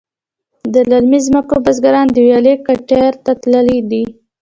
د للمې ځمکې بزگران د ویالې کټیر ته تللي دي.